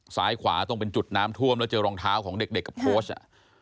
ซ้ายขวาตรงเป็นจุดน้ำท่วมแล้วเจอรองเท้าของเด็กกับโค้ชอ่ะ